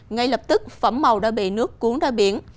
ngay lập tức phẩm màu đã bị nước cuốn ra biển